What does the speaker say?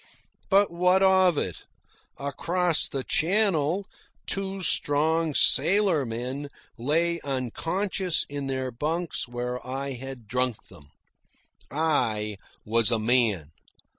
But what of it? Across the channel two strong sailormen lay unconscious in their bunks where I had drunk them. I WAS a man.